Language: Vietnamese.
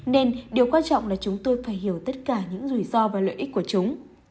nên điều quan trọng là chúng tôi phải hiểu tất cả những rủi ro và lợi ích của chúng